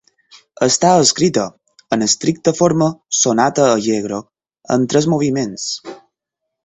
Està escrita, en estricta forma sonata-allegro, en tres moviments.